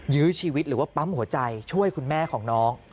ยื้อชีวิตหรือว่าปั๊มหัวใจช่วยคุณแม่ของน้อง